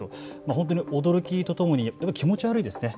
本当に驚きとともに気持ち悪いですね。